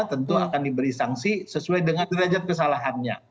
tentu akan diberi sanksi sesuai dengan derajat kesalahannya